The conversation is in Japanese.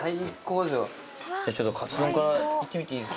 じゃちょっとカツ丼からいってみていいですか。